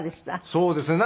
そうですね。